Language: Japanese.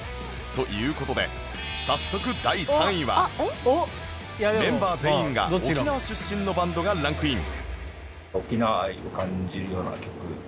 という事で早速第３位はメンバー全員が沖縄出身のバンドがランクイン